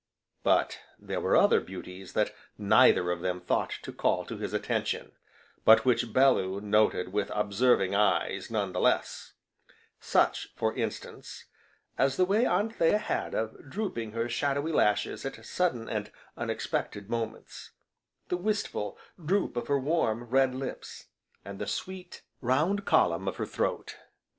But there were other beauties that neither of them thought to call to his attention, but which Bellew noted with observing eyes, none the less: such, for instance, as the way Anthea had of drooping her shadowy lashes at sudden and unexpected moments; the wistful droop of her warm, red lips, and the sweet, round column of her throat.